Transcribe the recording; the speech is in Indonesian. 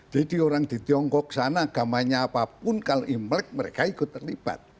jadi orang di tiongkok sana agamanya apapun kalau imlek mereka ikut terlibat